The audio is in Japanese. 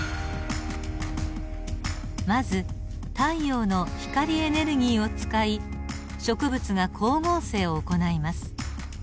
まず太陽の光エネルギーを使い植物が光合成を行います。